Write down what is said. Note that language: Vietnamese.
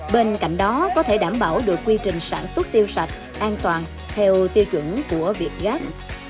bên cạnh đó có thể đảm bảo được quy trình sản xuất tiêu sạch an toàn theo tiêu chuẩn của việt gáp